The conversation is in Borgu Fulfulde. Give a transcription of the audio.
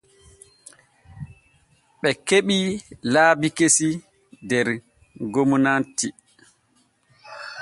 Ɓe keɓii laabi kesi der gomnati.